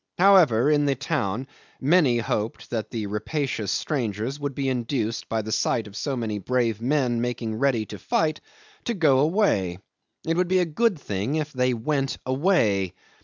However, in the town many hoped that the rapacious strangers would be induced, by the sight of so many brave men making ready to fight, to go away. It would be a good thing if they went away.